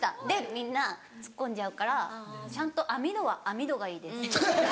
みんな突っ込んじゃうからちゃんと網戸は網戸がいいです。